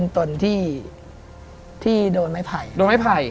ที่โดนไม่ไผ่